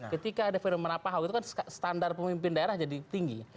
ketika ada fenomena pak ahok itu kan standar pemimpin daerah jadi tinggi